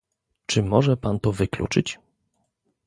Czy może pan to wykluczyć?